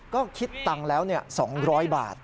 ก็คิดตังค์แล้ว๒๐๐บาท